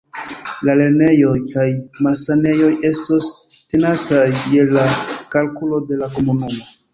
La lernejoj kaj malsanejoj estos tenataj je la kalkulo de la komunumo.